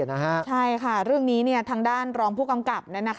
ใช่ค่ะเรื่องนี้ทางด้านรองผู้กำกับ